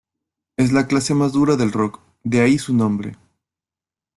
Es la clase más dura del rock, de ahí su nombre.